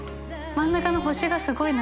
真ん中の星がスゴいな。）